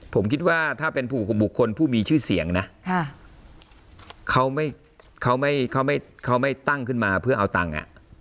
ผมคิดว่าถ้าเป็นผู้คุมบุคคลผู้มีชื่อเสียงนะเขาไม่เขาไม่ตั้งขึ้นมาเพื่อเอาตังค์